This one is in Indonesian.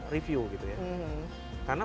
review gitu ya karena